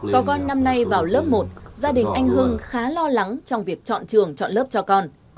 có con năm nay vào lớp một gia đình anh hưng khá lo lắng trong việc chọn trường chọn lớp cho con